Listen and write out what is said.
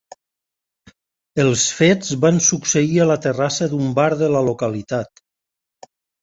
Els fets van succeir a la terrassa d’un bar de la localitat.